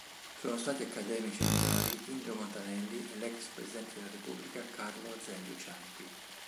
Sono stati accademici onorari Indro Montanelli e l'ex Presidente della Repubblica Carlo Azeglio Ciampi.